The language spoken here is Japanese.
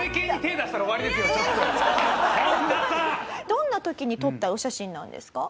どんな時に撮ったお写真なんですか？